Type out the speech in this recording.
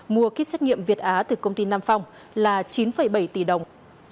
mua kit xét nghiệm việt á từ công ty nam phong là chín bảy tỷ đồng